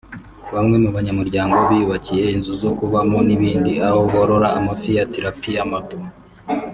Bamwe mu banyamuryango biyubakiye inzu zo kubamo n’ibindi aho borora amafi ya tirapiya mato